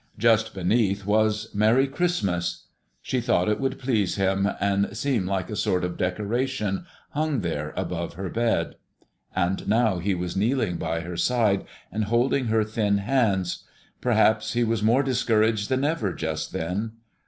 Just beneath was "Merry Christmas." She thought it would please him, and seem like a sort of decoration, hung there above her bed. And now he was kneeling by her side, and holding her thin hands. Perhaps he was more discouraged than ever, just then.